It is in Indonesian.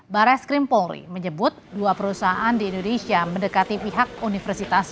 bares krim polri menyebut dua perusahaan di indonesia mendekati pihak universitas